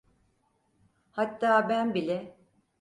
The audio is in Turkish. Hatta ben bile.